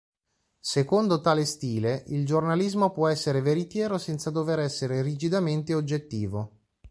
Secondo tale stile, il giornalismo può essere veritiero senza dover essere rigidamente oggettivo.